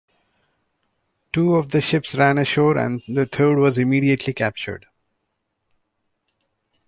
Two of the ships ran ashore and the third was immediately captured.